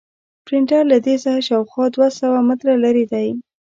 پرنټر له دې ځایه شاوخوا دوه سوه متره لرې و.